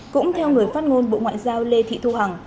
cũng theo người phát ngôn bộ ngoại giao lê thị thu hằng